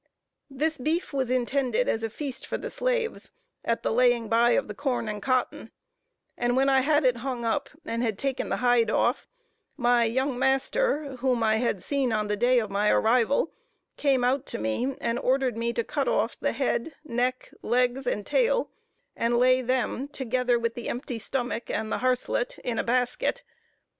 This beef was intended as a feast for the slaves, at the laying by of the corn and cotton; and when I had it hung up, and had taken the hide off, my young master, whom I had seen on the day of my arrival, came out to me, and ordered me to cut off the head, neck, legs, and tail, and lay them, together with the empty stomach and the harslet, in a basket.